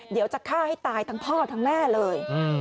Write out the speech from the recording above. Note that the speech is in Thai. เดี๋ยวจะฆ่าให้ตายทั้งพ่อทั้งแม่เลย